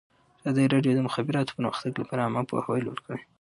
ازادي راډیو د د مخابراتو پرمختګ لپاره عامه پوهاوي لوړ کړی.